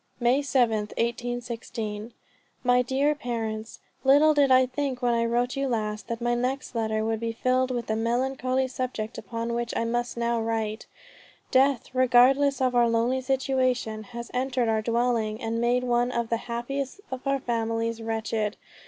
"May 7th, 1816. My dear Parents, Little did I think when I wrote you last, that my next letter would be filled with the melancholy subject upon which I must now write. Death, regardless of our lonely situation has entered our dwelling, and made one of the happiest of families wretched.